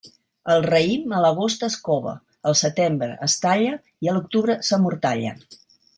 El raïm, a l'agost es cova, al setembre es talla i a l'octubre s'amortalla.